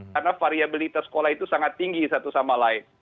karena variabilitas sekolah itu sangat tinggi satu sama lain